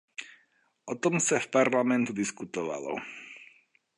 O tom se v Parlamentu diskutovalo.